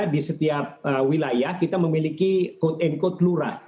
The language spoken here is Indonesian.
di setiap wilayah kita memiliki code and code lurah